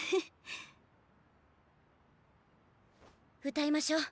歌いましょう。